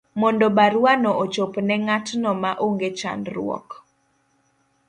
mondo baruano ochop ne ng'atno, ma onge chandruok